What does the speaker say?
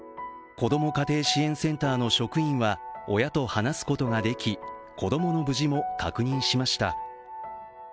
子ども家庭支援センターの職員は親と話すことができ、子供の無事も確認しました。